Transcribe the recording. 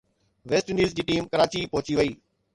west Indies جي team Karachi پهچي وئي